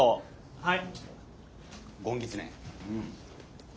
はい。